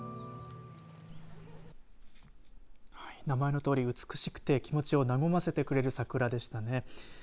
名前のとおり美しくて気持ちを和ませてくれる桜でしたね。